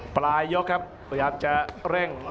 ปลายยกครับพยายามจะเร่ง